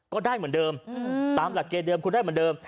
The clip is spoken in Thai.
ก็ได้เหมือนเดิมตามหลักเกิมคุณได้เหมือนเดิม